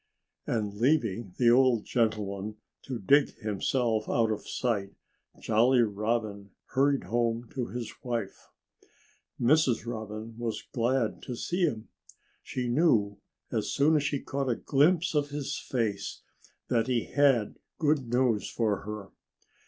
And leaving the old gentleman to dig himself out of sight, Jolly Robin hurried home to his wife. Mrs. Robin was glad to see him. She knew, as soon as she caught a glimpse of his face, that he had good news for her.